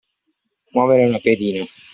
Muovere una pedina.